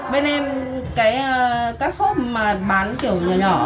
bên em các shop bán kiểu nhỏ nhỏ